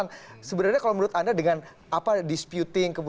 pak rahlan sebenarnya kalau menurut anda dengan disputing